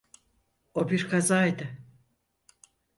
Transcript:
O bir kazaydı.